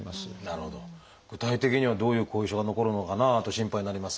具体的にはどういう後遺症が残るのかなと心配になりますが。